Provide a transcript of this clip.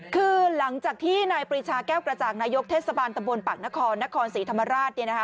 คือหลังจากที่นายปรีชาแก้วกระจ่างนายกเทศบาลตำบลปากนครนครศรีธรรมราช